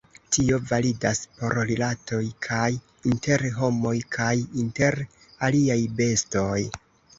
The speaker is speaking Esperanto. Tio validas por rilatoj kaj inter homoj kaj inter aliaj bestoj.